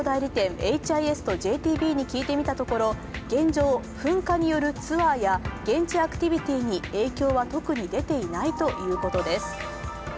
エイチ・アイ・エスとＪＴＢに聞いてみたところ現状、噴火によるツアーや現地アクティビティーに影響は特に出ていないということです。